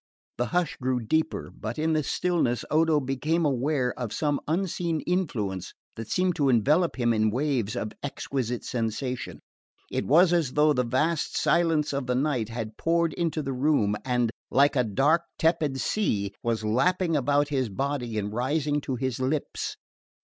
The hush grew deeper; but in the stillness Odo became aware of some unseen influence that seemed to envelope him in waves of exquisite sensation. It was as though the vast silence of the night had poured into the room and, like a dark tepid sea, was lapping about his body and rising to his lips.